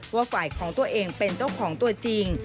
ว่าฝ่ายของตัวเองเป็นเจ้าของตัวจริง